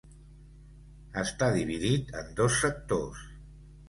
Està dividit en dos sectors.